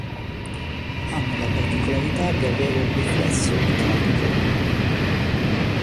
Hanno la particolarità di avere un riflesso metallico.